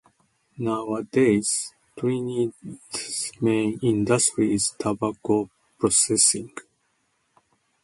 Nowadays, Trinidad's main industry is tobacco processing.